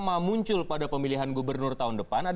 itu nyata ya di rumah saya